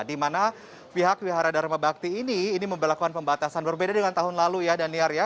di mana pihak wihara dharma bakti ini memperlakukan pembatasan berbeda dengan tahun lalu ya daniar ya